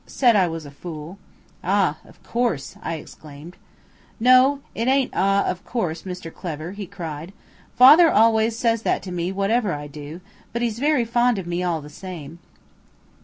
"Said I was a fool." "Ah! of course," I exclaimed. "No, it ain't `ah, of course,' Mr Clever," he cried. "Father always says that to me whatever I do, but he's very fond of me all the same."